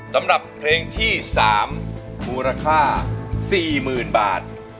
สำหรับเพลงที่๓มูลค่า๔๐๐๐บาท